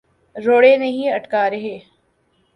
روڑے نہیں اٹکا رہے۔